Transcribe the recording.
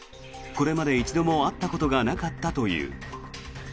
これまで一度も会ったことがなかったという。